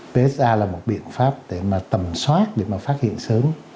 plaza là một biện pháp để mà tầm soát để mà phát hiện sớm